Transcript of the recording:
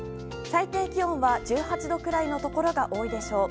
最低気温は１８度くらいのところが多いでしょう。